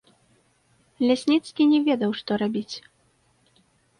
Лясніцкі не ведаў, што рабіць.